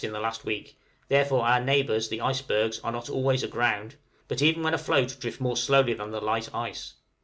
in the last week; therefore our neighbors, the icebergs, are not always aground, but even when afloat drift more slowly than the light ice.